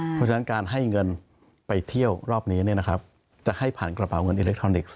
เพราะฉะนั้นการให้เงินไปเที่ยวรอบนี้จะให้ผ่านกระเป๋าเงินอิเล็กทรอนิกส์